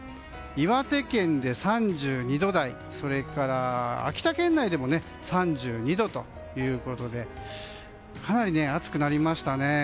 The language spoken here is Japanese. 岩手県で３２度台それから秋田県内でも３２度ということでかなり暑くなりましたね。